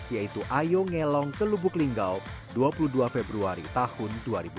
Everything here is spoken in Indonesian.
yaitu ayo ngelong ke lubuk linggau dua puluh dua februari tahun dua ribu dua puluh